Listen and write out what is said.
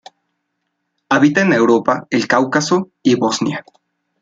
Habita en Europa, el Cáucaso y Bosnia.